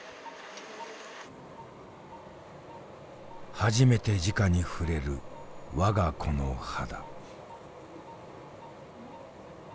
初めてじかに触れる我が子の肌。